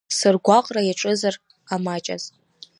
Сыргәаҟра иаҿызар амаҷаз…